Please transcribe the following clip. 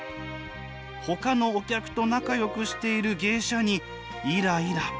ほかのお客と仲よくしている芸者にイライラ。